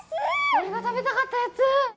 おれが食べたかったやつ！